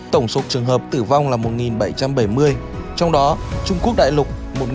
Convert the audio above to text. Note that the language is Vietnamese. tổng số trường hợp tử vong là một bảy trăm bảy mươi trong đó trung quốc đại lục một bảy trăm sáu mươi năm